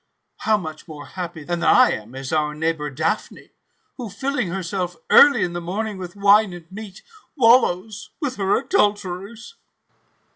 How much more happy than I am is our neighbour Daphne, who, filling herself early in the morning with wine and meat, wallows with her adulterers